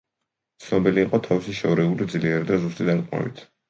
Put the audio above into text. ცნობილი იყო თავისი შორეული, ძლიერი და ზუსტი დარტყმებით.